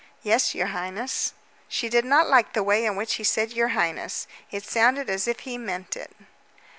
"Yes, your highness." She did not like the way in which he said "your highness." It sounded as if he meant it.